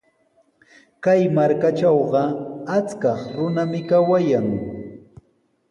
Kay markatrawqa achkaq runami kawayan.